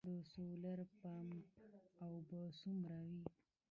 د سولر پمپ اوبه څومره وي؟